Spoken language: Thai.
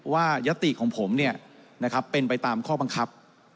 ยัตติของผมเป็นไปตามข้อบังคับ